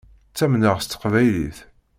Ttamneɣ s teqbaylit.